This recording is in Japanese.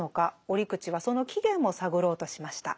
折口はその起源も探ろうとしました。